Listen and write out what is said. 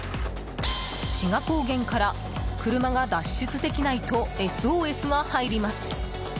志賀高原から車が脱出できないとＳＯＳが入ります。